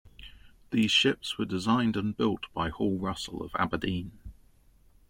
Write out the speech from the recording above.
These ships were designed and built by Hall Russell of Aberdeen.